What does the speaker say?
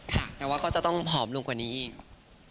ค่ะแต่ว่าเขาจะต้องผอมลงกว่านี้อีก